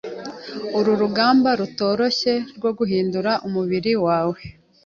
urugugamba rutoroshye rwo guhindura umubiri wawe